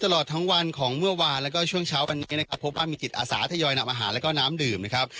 และก็น้ำดื่มครับ